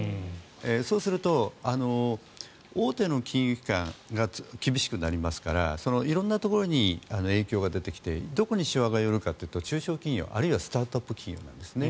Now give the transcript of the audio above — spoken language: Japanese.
そうすると、大手の金融機関が厳しくなりますから色んなところに影響が出てきてどこにしわが寄るかというと中小企業あるいはスタートアップ企業なんですね。